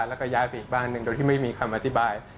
แล้วก็ย้ายไปอีกบ้านหนึ่งโดยที่ไม่มีคำอธิบาย